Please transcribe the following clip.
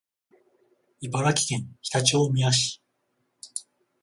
茨城県常陸大宮市